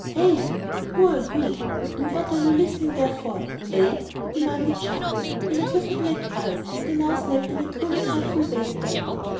"Hey who are you and what are you listening there for hey?" he demanded sharply. He had little black eyes, and they now snapped in a truly dreadful way at them.